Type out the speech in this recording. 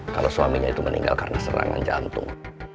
kalau suaminya itu meninggal karena serangan jantung